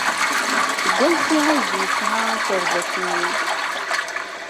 Seg wansi ay d-yesɣa akerbas-nni?